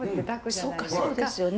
そっかそうですよね。